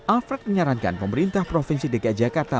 alfred menyarankan pemerintah provinsi dki jakarta